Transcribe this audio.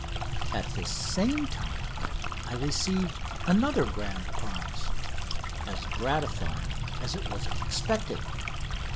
At this same time I received another grand prize, as gratifying as it was unexpected.